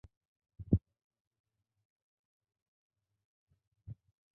তবে সবচেয়ে জুনিয়র হলেও একটা কাজ ওকে দিয়ে কখনোই করানো যেত না।